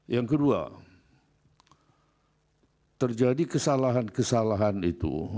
yang kedua terjadi kesalahan kesalahan itu